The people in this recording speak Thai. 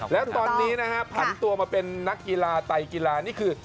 แล้วตอนนี้นะฮะผันตัวมาเป็นนักกีฬาไตกีฬานี่คือ